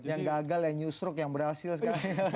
yang gagal yang nyustruk yang berhasil sekarang